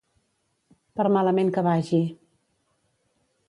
Per malament que vagi.